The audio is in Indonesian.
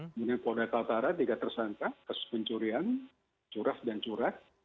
kemudian polda taltara tiga tersangka kasus pencurian curas dan curat